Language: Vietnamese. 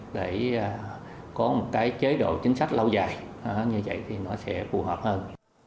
để có một cái chế độ chính sách lâu dài như vậy thì nó sẽ phù hợp hơn